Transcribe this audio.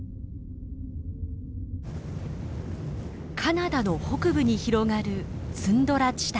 カナダの北部に広がるツンドラ地帯。